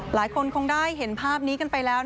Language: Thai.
หลายคนคงได้เห็นภาพนี้กันไปแล้ว